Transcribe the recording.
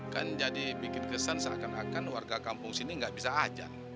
kan jadi bikin kesan seakan akan warga kampung sini nggak bisa aja